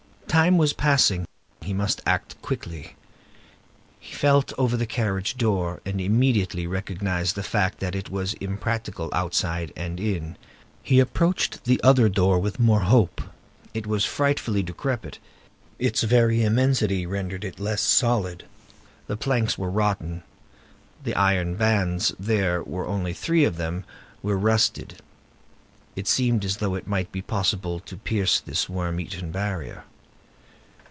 Time was passing; he must act quickly. He felt over the carriage door, and immediately recognized the fact that it was impracticable outside and in. He approached the other door with more hope; it was frightfully decrepit; its very immensity rendered it less solid; the planks were rotten; the iron bands—there were only three of them—were rusted. It seemed as though it might be possible to pierce this worm eaten barrier.